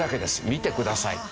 見てください。